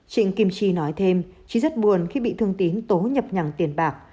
trịnh kim chi nói thêm chi rất buồn khi bị thương tín tố nhập nhằng tiền bạc